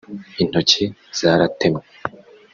intoki zaratemwe